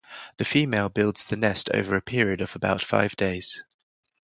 The female builds the nest over a period of about five days.